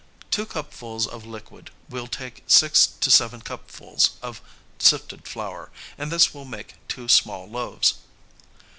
Two cupfuls of liquid will take six to seven cupfuls of sifted flour, and this will make two small loaves.